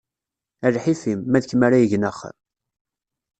A lḥif-im, ma d kem ara igen axxam!